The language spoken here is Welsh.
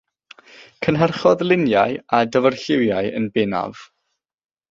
Cynhyrchodd luniau a dyfrlliwiau yn bennaf.